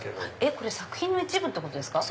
これ作品の一部ってことですか。